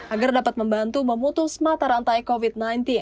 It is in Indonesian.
agar dapat membantu memutus mata rantai covid sembilan belas